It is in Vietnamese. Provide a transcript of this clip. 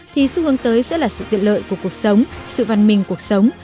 thì xu hướng tới sẽ là sự tiện lợi của cuộc sống sự văn minh cuộc sống